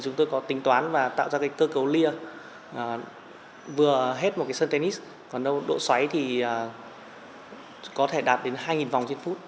chúng tôi có tính toán và tạo ra cơ cấu lìa vừa hết một sân tennis